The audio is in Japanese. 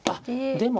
でも。